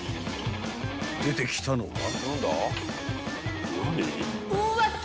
［出てきたのは］